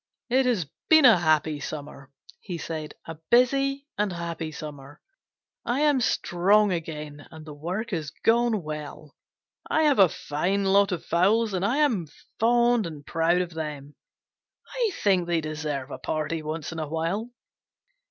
"It has been a happy summer," he said, "a busy and happy summer. I am strong again, and the work has gone well. I have a fine lot of fowls, and I am fond and proud of them. I think they deserve a party once in a while."